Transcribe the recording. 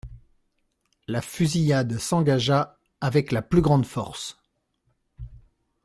La fusillade s'engagea avec la plus grande force.